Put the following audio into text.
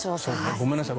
ごめんなさい。